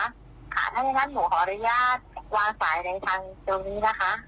ถ้าอย่างนั้นหนูขออนุญาตวางสายในทางตรงนี้นะคะ